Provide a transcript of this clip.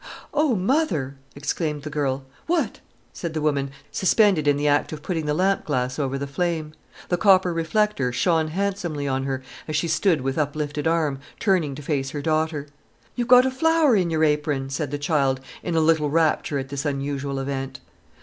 "Oh, mother——!" exclaimed the girl. "What?" said the woman, suspended in the act of putting the lamp glass over the flame. The copper reflector shone handsomely on her, as she stood with uplifted arm, turning to face her daughter. "You've got a flower in your apron!" said the child, in a little rapture at this unusual event.